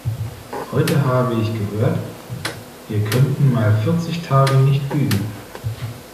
Heute habe ich gehört, wir könnten mal vierzig Tage nicht Lügen.